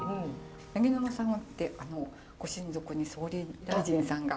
八木沼様ってご親族に総理大臣さんが。